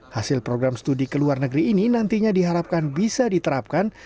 hasil program studi ke luar negeri ini nantinya diharapkan bisa diterapkan